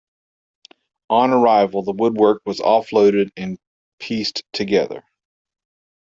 On arrival, the woodwork was offloaded and pieced together.